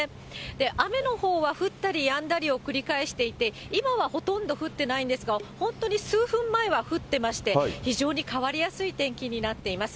雨のほうは降ったりやんだりを繰り返していて、今はほとんど降ってないんですが、本当に数分前は降ってまして、非常に変わりやすい天気になっています。